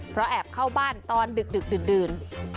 เพราะแอบเข้าบ้านตอนดึกดื่น